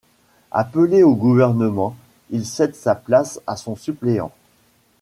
Appelé au gouvernement, il cède sa place à son suppléant.